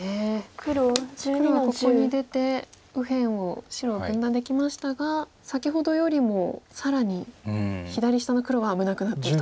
黒はここに出て右辺を白を分断できましたが先ほどよりも更に左下の黒は危なくなってると。